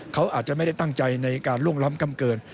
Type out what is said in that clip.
เขาอาจจะไม่ได้ตั้งใจในการล่วงล้ำกำเกิน